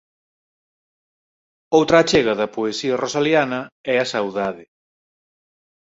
Outra achega da poesía rosaliana é a "saudade".